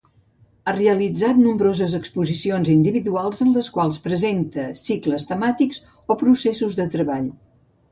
Ha realitzat nombroses exposicions individuals en les quals presenta cicles temàtics o processos de treball.